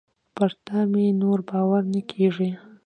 پر تا مي نور باور نه کېږي .